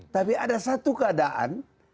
tapi ada satu keadaan